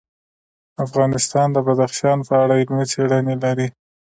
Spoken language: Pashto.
افغانستان د بدخشان په اړه علمي څېړنې لري.